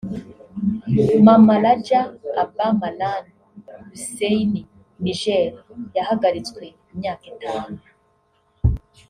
Maman Raja Abba Malan Ousseini (Niger) yahagaritswe imyaka itanu